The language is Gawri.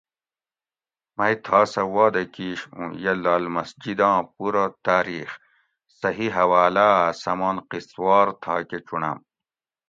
مئ تھا سہ واعدہ کِیش اُوں یہ لال مسجد آں پورہ تاریخ صحیح حواۤلاۤ اۤ سمان قسط وار تھاکہ چُنڑم